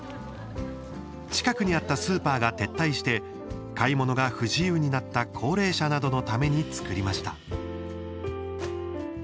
近くにあったスーパーが撤退して買い物が不自由になった高齢者などのために作りました。